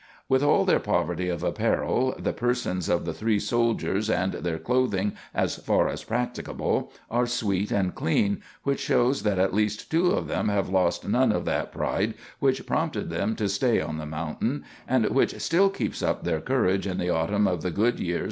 With all their poverty of apparel, the persons of the three soldiers, and their clothing as far as practicable, are sweet and clean, which shows that at least two of them have lost none of that pride which prompted them to stay on the mountain, and which still keeps up their courage in the autumn of the good year '69.